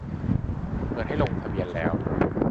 เปิดให้ลงทะเบียนแล้ว